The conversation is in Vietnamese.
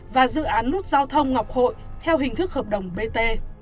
và dự án nút giao thông ngọc hội theo hình thức hợp đồng bt